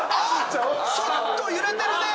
ちょっと揺れてるね！